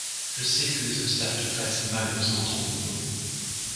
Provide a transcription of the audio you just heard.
Je sais que les obstacles restent malheureusement trop nombreux.